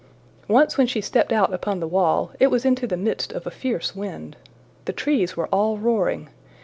Once when she stepped out upon the wall, it was into the midst of a fierce wind. The trees were all roaring.